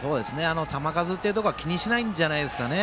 球数というところは気にしないんじゃないですかね。